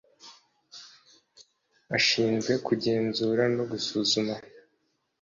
ashinzwe kugenzura no gusuzuma .